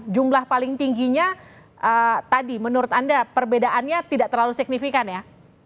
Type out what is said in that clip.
jumlah paling tingginya tadi menurut anda perbedaannya tidak terlalu signifikan ya